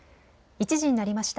１時になりました。